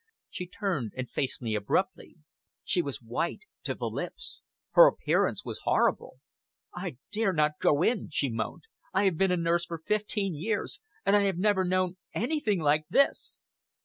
She turned and faced me abruptly. She was white to the lips. Her appearance was horrible. "I dare not go in!" she moaned. "I have been a nurse for fifteen years, and I have never known anything like this!"